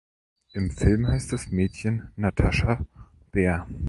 Im Film heißt das Mädchen Natascha Bär.